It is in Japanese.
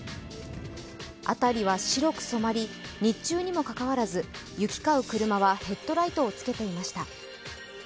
辺りは白く染まり、日中にもかかわらず行き交う車はヘッドライトをつけていました。